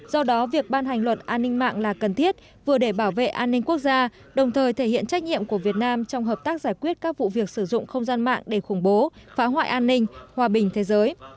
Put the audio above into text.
do đó việc ban hành luật an ninh mạng là cần thiết vừa để bảo vệ an ninh quốc gia đồng thời thể hiện trách nhiệm của việt nam trong hợp tác giải quyết các vụ việc sử dụng không gian mạng để khủng bố phá hoại an ninh hòa bình thế giới